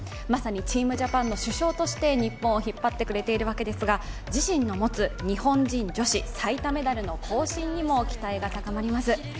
まさにチームジャパンの主将として日本を引っ張ってくれているわけですが、自身の持つ日本人女子最多メダルの更新にも期待が高まります。